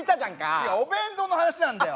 違うお弁当の話なんだよ！